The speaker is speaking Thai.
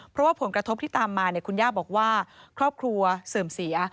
เพราะว่าผลกระทบที่ตามมาคุณย่าบอกว่าครอบครัวเสื่อมเสีย